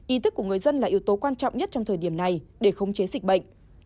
ý thức của người dân là yếu tố quan trọng nhất trong thời điểm này để khống chế dịch bệnh